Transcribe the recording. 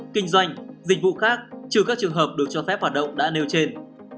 kinh doanh dịch vụ khác trừ các trường hợp được cho phép hoạt động đã nêu trên